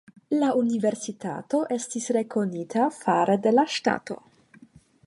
La universitato estas rekonita fare de la ŝtato.